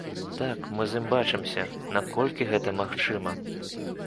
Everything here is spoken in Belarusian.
Так, мы з ім бачымся, наколькі гэта магчыма.